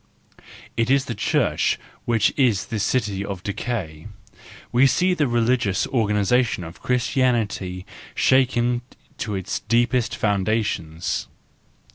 It is the Church which is this city of decay: we see the religious organisation of Christianity shaken to its deepest foundations.